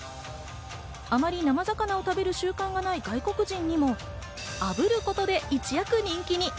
あまり生魚を食べる習慣がない外国人にも、炙ることで一躍人気に。